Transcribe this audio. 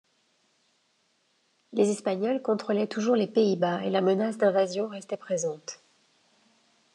Les Espagnols contrôlaient toujours les Pays-Bas, et la menace d'invasion restait présente.